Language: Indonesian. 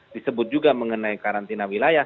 disebut juga mengenai karantina wilayah